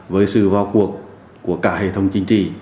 với sự vào cuộc của cả hệ thống chính trị